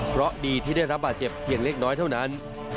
เพราะดีที่ได้รับบาดเจ็บเพียงเล็กน้อยเท่านั้น